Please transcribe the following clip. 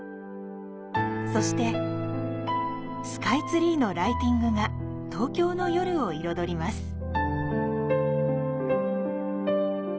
そしてスカイツリーのライティングが東京の夜を彩ります。